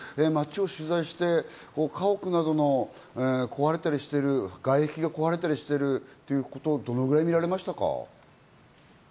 町を取材して家屋などの壊れたりしている外壁が壊れたりしているということをどのぐらい見られましたか？